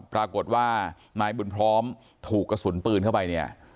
ปรากฏว่านายบุญพร้อมถูกกระสุนปืนเข้าไปเนี่ย